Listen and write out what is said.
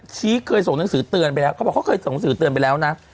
เคยส่งหนังสือเตือนไปแล้วเขาบอกเขาเคยส่งหนังสือเตือนไปแล้วนะ